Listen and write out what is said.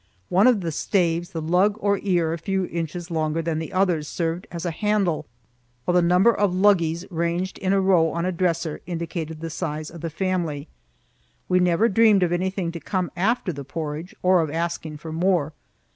One of the staves, the lug or ear, a few inches longer than the others, served as a handle, while the number of luggies ranged in a row on a dresser indicated the size of the family. We never dreamed of anything to come after the porridge, or of asking for more.